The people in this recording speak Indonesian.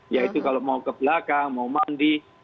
yaitu kalau mau ke belakang mau mandi